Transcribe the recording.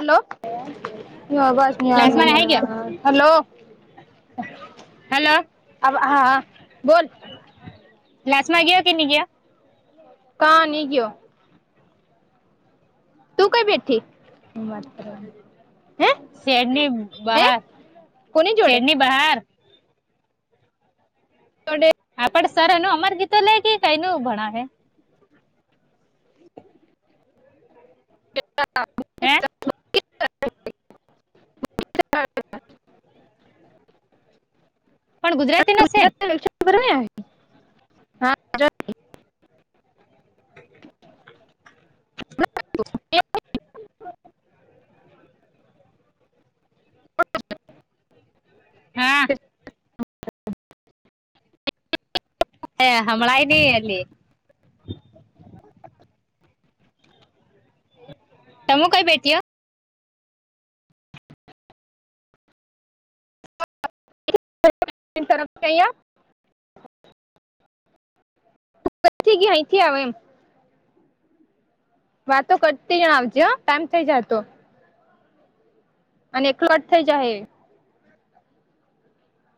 Hello હ ન ક્લાસમાં નાહી ગયો આ હલો હલો અ હા બોલ લાાસમાં ગયા કે ન ગયા કા નની ગયો. તું કઈ બેઠઠી શેરની બહાર કોની જોડે શેરની બહાર થડે પણ સર એ ન અમાર ગીતો લે ગ કઈ ન ભણાવે હે [inaudible] [inaudible] પણ ગુજરાત તજક્ર નહી હ [inaudible] હા હે હમળાઈની એલી તમ કઈ બેતીય તિન તરફ કહીયા થી ગયા અહીં થી આવે એમ વાતો કરતી જણ આવજે કમ થઇ જાય તો અને એક કલોટ થઈ જાય